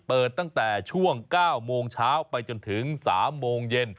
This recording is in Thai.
เปิดตั้งแต่ช่วง๙โมงเช้าไปจนถึง๓โมงเย็น